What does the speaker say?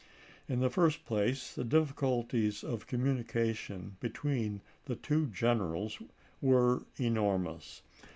In the first place, the difficulties of communication between the two generals were enormous.